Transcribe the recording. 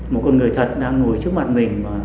một con người thật đang ngồi trước mặt mình